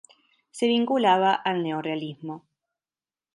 Se vinculaba al neorrealismo.